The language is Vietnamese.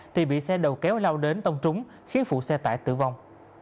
thì bị xe đầu kéo lao đến tông trúng khiến phụ xe tải tử vong